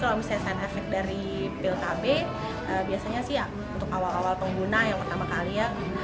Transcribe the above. kalau misalnya sign efek dari pil kb biasanya sih ya untuk awal awal pengguna yang pertama kali ya